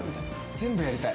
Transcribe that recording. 全部やりたい。